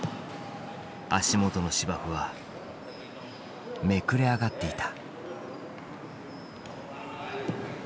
足元の芝生はめくれ上がっていた。